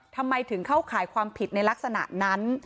ทำไมถึงเข้าข่ายความผิดในลักษณะนั้น